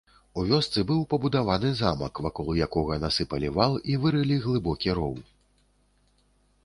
У вёсцы быў пабудаваны замак, вакол якога насыпалі вал і вырылі глыбокі роў.